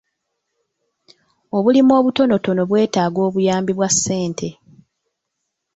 Obulimu obutonotono bwetaaga obuyambi bwa ssente.